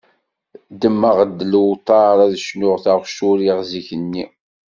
Ddmeɣ-d lewṭer ad cnuɣ taɣect uriɣ zik-nni.